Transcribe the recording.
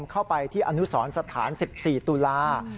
เข้าไปที่อนุสรสถาน๑๔ตุลา